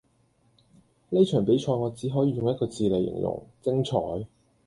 呢場比賽我只可以用一個字黎形容,精采